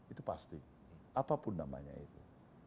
itu pasti apapun namanya itu